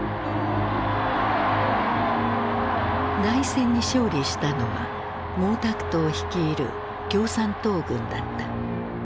内戦に勝利したのは毛沢東率いる共産党軍だった。